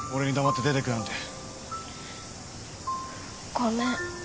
ごめん。